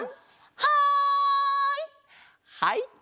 はい！